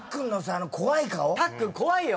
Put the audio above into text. たっくん怖いよ！